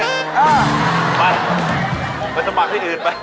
เออไปไปสมัครที่อื่นไป